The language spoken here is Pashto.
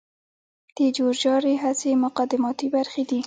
د جور جارې هڅې مقدماتي برخي دي.